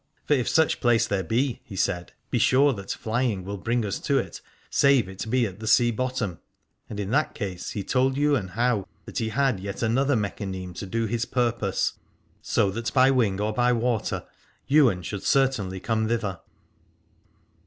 For if such place there be, he said, be sure that flying will bring us to it, save it be at the sea bottom : and in that case, he told Ywain how that he had yet another mechaneme to do his purpose, so that by p 223 Aladore wing or by water Ywain should certainly come thither.